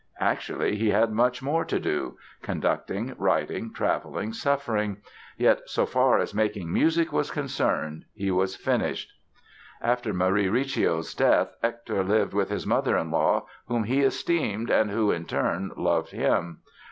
Actually, he had much more to do—conducting, writing, traveling, suffering. Yet so far as making music was concerned he was finished. After Marie Recio's death Hector lived with his mother in law, whom he esteemed and who, in turn, loved him.